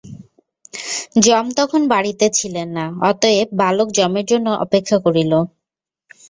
যম তখন বাড়ীতে ছিলেন না, অতএব বালক যমের জন্য অপেক্ষা করিল।